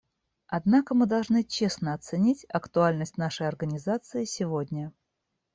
Однако мы должны честно оценить актуальность нашей Организации сегодня.